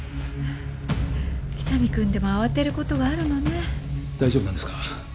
喜多見君でも慌てることがあるのね大丈夫なんですか？